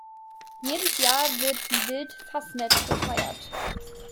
Jedes Jahr wird wie wild Fasnet gefeiert.